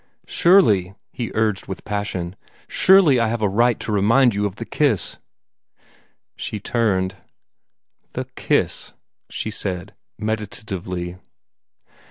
"Surely," he urged with passion, "surely I have a right to remind you of the kiss!" She turned. "The kiss," she said meditatively.